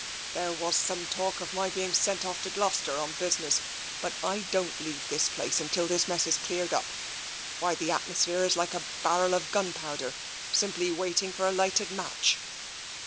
" There was some talk of my being sent off to Gloucester on business, but I don't leave this place tmtil this mess is cleared up. Why, the atmosphere is like a barrel of gunpowder, simply waiting for a lighted match."